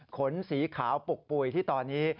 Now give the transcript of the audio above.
ขนสีขาวปลุกปุ๋ยที่ตอนนี้